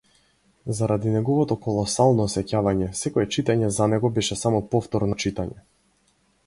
Заради неговото колосално сеќавање, секое читање за него беше само повторно читање.